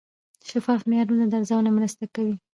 شفاف معیارونه د ارزونې مرسته کوي.